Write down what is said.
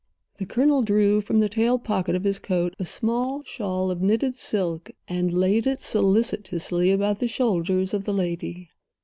The Colonel drew from the tail pocket of his coat a small shawl of knitted silk and laid it solicitously about the shoulders of the lady.